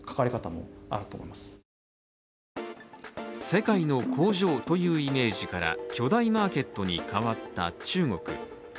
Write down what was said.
世界の工場というイメージから巨大マーケットに変わった中国。